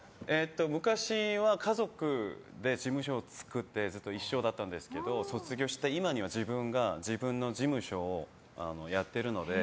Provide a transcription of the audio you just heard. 昔は家族で事務所作ってずっと一緒だったんですけど卒業して、今は自分の事務所をやっているので。